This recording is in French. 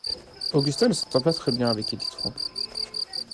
Augusta ne s'entend pas très bien avec Edith Frank.